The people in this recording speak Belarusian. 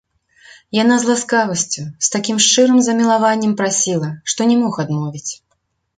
Яна з ласкавасцю, з такім шчырым замілаваннем прасіла, што не мог адмовіць.